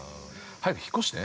◆早く引っ越して。